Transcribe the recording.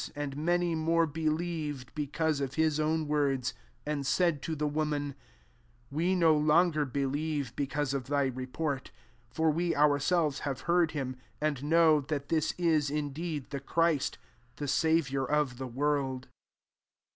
41 And muiy more believed because of his own words ; 42 and said to the woman, "We no longer be lieve because of thy report : for we ourselves have heard him, and know that this is in deed [the Christy'] the Saviour of the world."